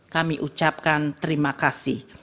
kami ucapkan terima kasih